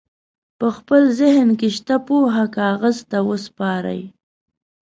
په خپل ذهن کې شته پوهه کاغذ ته وسپارئ.